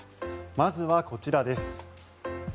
まずは、こちらです。